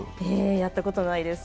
やったことないです。